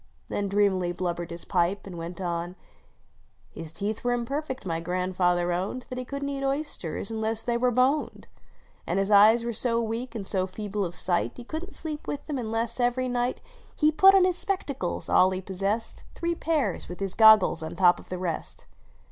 Then dreamily blubbered his pipe and went on :" His teeth were imperfect my grandfather owned That he couldn t eat ovsters unless thev were boned And his eyes were so weak, and so feeble of sight, lie couldn t sleep with them unless, every night, 164 GRAXDFATI1KR SOTKERS " He put on his spectacles all he possessed, Three pairs with his goggles on top of the rest.